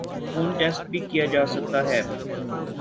خون ٹیسٹ بھی کیا جاسکتا ہے